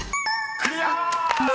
［クリア！］